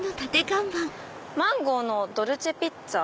「マンゴーのドルチェピッツァ」。